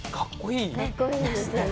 かっこいいですね。